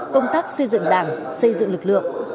công tác xây dựng đảng xây dựng lực lượng